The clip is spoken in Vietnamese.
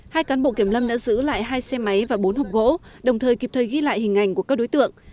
hai cán bộ kiểm lâm đã giữ lại hai xe máy và bốn hộp gỗ đồng thời kịp thời ghi lại hình ảnh của các đối tượng